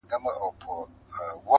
جانانه څوک ستا د زړه ورو قدر څه پیژني!